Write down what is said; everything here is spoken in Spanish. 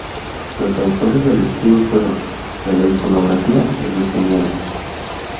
Los autores del escudo fueron: de la iconografía, el Ing.